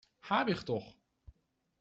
Habe ich doch!